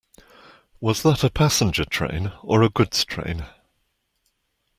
Was that a passenger train or a goods train?